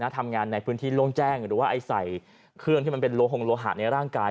ทำงานในพื้นที่โล่งแจ้งหรือว่าใส่เครื่องที่มันเป็นโลหงโลหะในร่างกาย